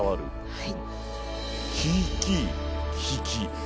はい。